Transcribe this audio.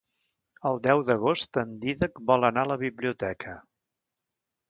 El deu d'agost en Dídac vol anar a la biblioteca.